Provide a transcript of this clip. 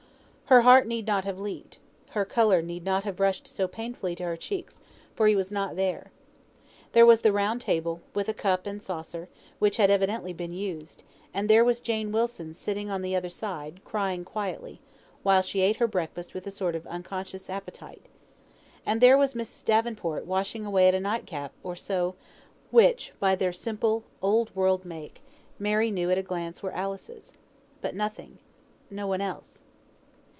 Her heart need not have leaped, her colour need not have rushed so painfully to her cheeks, for he was not there. There was the round table, with a cup and saucer, which had evidently been used, and there was Jane Wilson sitting on the other side, crying quietly, while she ate her breakfast with a sort of unconscious appetite. And there was Mrs. Davenport washing away at a night cap or so, which, by their simple, old world make, Mary knew at a glance were Alice's. But nothing no one else.